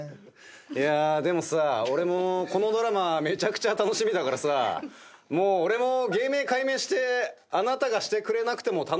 いやぁでもさ俺もこのドラマめちゃくちゃ楽しみだからさもう俺も芸名改名してあなたがしてくれなくてもたのしみざわ